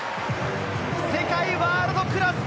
世界、ワールドクラス！